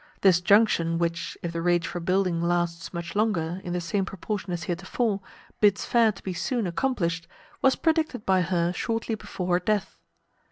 This junction, which, if the rage for building lasts much longer, in the same proportion as heretofore, bids fair to be soon accomplished, was predicted by her shortly before her death.